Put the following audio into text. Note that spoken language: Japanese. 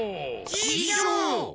ししょう！